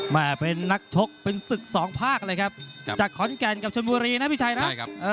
แม่เป็นนักชกเป็นศึกสองภาคเลยครับจากขอนแก่นกับชนบุรีนะพี่ชัยนะ